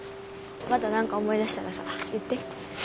また何か思い出したらさ言って。